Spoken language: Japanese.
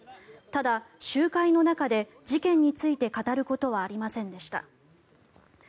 ただ、集会の中で事件について語ることはありませんでした。